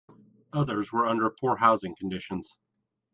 Others were under poor housing conditions.